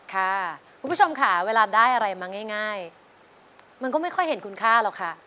คุณผู้ชมค่ะเวลาได้อะไรมาง่ายมันก็ไม่ค่อยเห็นคุณค่าหรอกค่ะ